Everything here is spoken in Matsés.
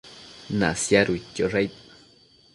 Nasiaduidquiosh aid